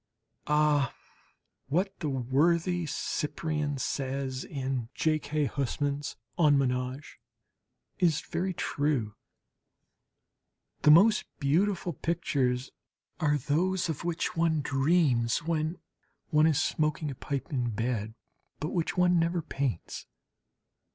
Ah, what the worthy Cyprian says in J. K. Huysmans' "En Ménage," is very true! "The most beautiful pictures are those of which one dreams when one is smoking a pipe in bed but which one never paints."